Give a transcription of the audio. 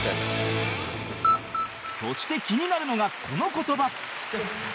そして気になるのがこの言葉